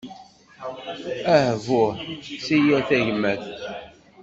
Ahbuh seg yir tagmat.